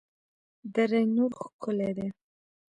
دره نور ښکلې ده؟